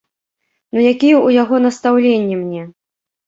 Ну якія ў яго настаўленні мне?